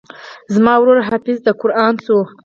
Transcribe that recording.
زما ورور حافظ د قران سو.